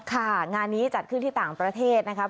ค่ะงานนี้จัดขึ้นที่ต่างประเทศนะครับ